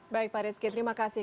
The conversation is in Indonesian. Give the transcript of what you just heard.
baik pak rizky terima kasih